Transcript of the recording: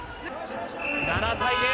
７対０。